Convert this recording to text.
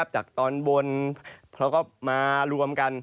จากตอนบนเขาก็มารวมกัน